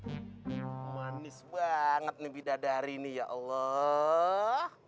ini manis banget nih bidadari ini ya allah